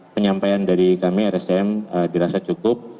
penyampaian dari kami rscm dirasa cukup